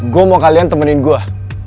gue mau kalian temenin gue